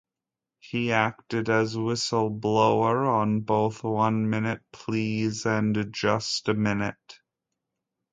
He acted as whistle blower on both "One Minute Please" and "Just a Minute".